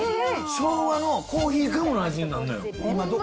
昭和のコーヒーガムの味になるのよ。